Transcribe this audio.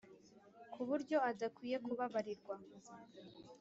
ku buryo adakwiye kubabarirwa